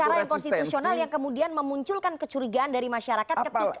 cara yang konstitusional yang kemudian memunculkan kecurigaan dari masyarakat ketika